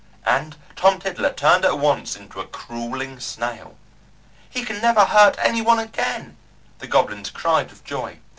and Tom Tiddler turned at once into a crawling snail. "He can never hurt any one again," the goblins cried with joy.